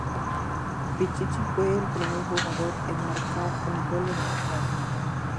Pichichi fue el primer jugador en marcar un gol en el estadio.